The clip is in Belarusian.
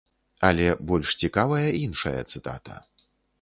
Але больш цікавая іншая цытата.